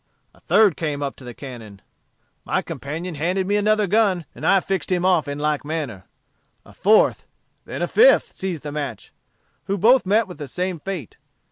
A third came up to the cannon. My companion handed me another gun, and I fixed him off in like manner. A fourth, then a fifth seized the match, who both met with the same fate.